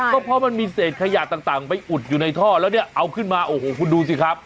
ก็เพราะมันมีเศษขยะต่างไปอุดอยู่ในท่อแล้วเนี่ยเอาขึ้นมาโอ้โหคุณดูสิครับ